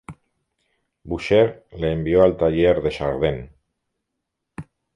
Boucher le envió al taller de Chardin.